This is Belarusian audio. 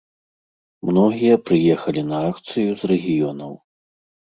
Многія прыехалі на акцыю з рэгіёнаў.